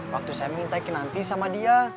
waktu saya minta kinanti sama dia